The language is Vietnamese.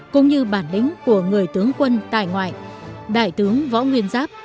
cũng như bản lĩnh của người tướng quân tại ngoại đại tướng võ nguyên giáp